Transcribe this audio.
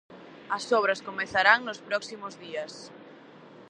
As obras comezarán nos próximos días.